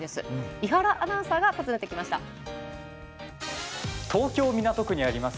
伊原アナウンサーが東京・港区にあります